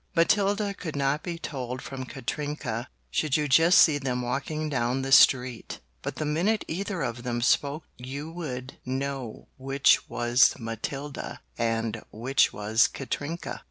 Matilda could not be told from Katrinka should you just see them walking down the street, but the minute either of them spoke you would know which was Matilda and which was Katrinka.